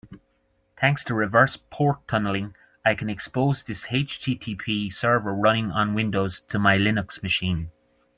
Thanks to reverse port tunneling, I can expose this HTTP server running on Windows to my Linux machine.